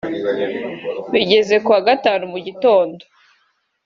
Bigeze ku wa Gatanu mu gitondo